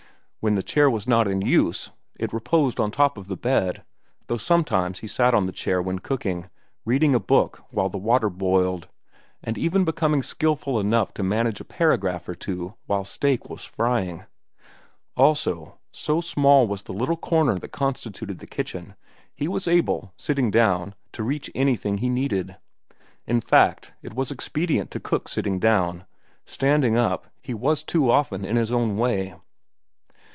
When the chair was not in use, it reposed on top of the bed, though sometimes he sat on the chair when cooking, reading a book while the water boiled, and even becoming skilful enough to manage a paragraph or two while steak was frying. Also, so small was the little corner that constituted the kitchen, he was able, sitting down, to reach anything he needed. In fact, it was expedient to cook sitting down; standing up, he was too often in his own way.